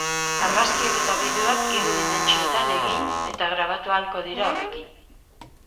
Argazkiak eta bideoak hiru dimentsiotan egin eta grabatu ahalko dira horrekin.